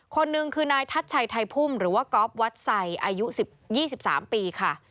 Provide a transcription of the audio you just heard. คนนึงคือนายธัชชัยไธยพุ่มหรือว่าก๊อสวัสไยอายุยี่สิบสามปีค่ะ